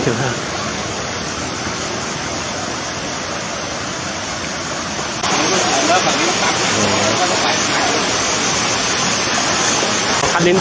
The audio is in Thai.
ก็เล่นของเกี่ยวกัน